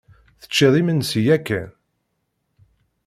Teččid imensi yakan?